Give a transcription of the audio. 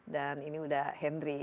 dan ini sudah henry